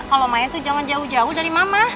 kalau main tuh jangan jauh jauh dari mama